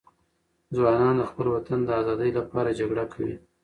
ځوانان د خپل وطن د آزادۍ لپاره جګړه کوي.